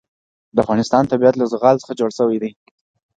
د افغانستان طبیعت له زغال څخه جوړ شوی دی.